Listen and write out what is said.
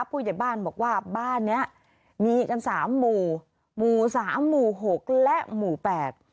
ผู้ใหญ่บ้านบอกว่าบ้านเนี้ยมีกันสามหมู่หมู่สามหมู่หกและหมู่แปด